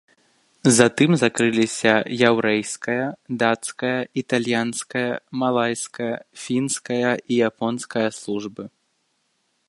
Затым закрыліся яўрэйская, дацкая, італьянская, малайская, фінская і японская службы.